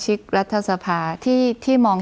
คุณปริณาค่ะหลังจากนี้จะเกิดอะไรขึ้นอีกได้บ้าง